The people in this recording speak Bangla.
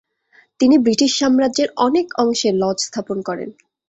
তিনি ব্রিটিশ সাম্রাজ্যের অনেক অংশে লজ স্থাপন করেন।